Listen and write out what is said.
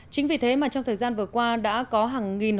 chính vì thế mà trong thời gian vừa qua đã có hàng nghìn hộ dân chuyển đổi